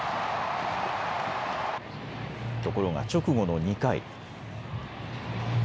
ところが直後の２回。